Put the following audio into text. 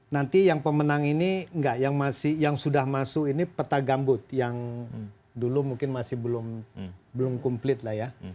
nanti yang pemenang ini enggak yang sudah masuk ini peta gambut yang dulu mungkin masih belum komplit lah ya